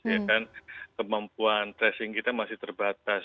ya kan kemampuan tracing kita masih terbatas